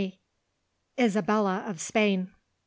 ISABELLA OF SPAIN.